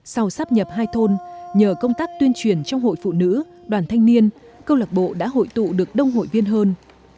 sau sắp nhập hai thôn nhờ công tác tuyên truyền trong hội phụ nữ đoàn thanh niên câu lạc bộ đã hội tụ được đông hội viên hơn